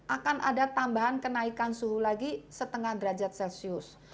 akan ada tambahan kenaikan suhu lagi setengah derajat celcius